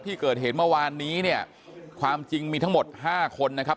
ที่เกิดเหตุเมื่อวานนี้เนี่ยความจริงมีทั้งหมดห้าคนนะครับ